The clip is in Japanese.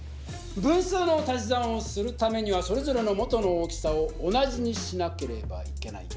分数の足し算をするためにはそれぞれの元の大きさを同じにしなければいけない。